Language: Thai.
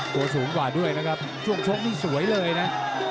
ตัวสูงกว่าด้วยนะครับช่วงชกนี่สวยเลยนะ